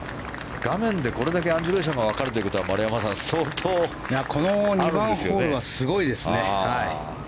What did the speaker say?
画面でこれだけアンジュレーションが分かるということは丸山さん、相当すごいですね。